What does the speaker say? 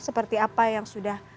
seperti apa yang sudah